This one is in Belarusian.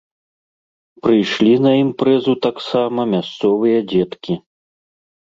Прыйшлі на імпрэзу таксама мясцовыя дзеткі.